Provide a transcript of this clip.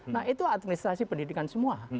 nah itu administrasi pendidikan semua